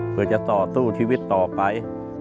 เพื่อจะต่อสู้ชีวิตต่อไป